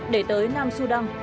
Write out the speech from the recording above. để tới nam sudan